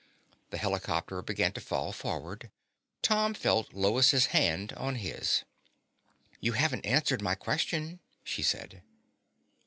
The helicopter began to fall forward. Tom felt Lois' hand on his. "You haven't answered my question," she said.